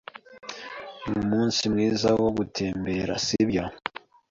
Numunsi mwiza wo gutembera, sibyo?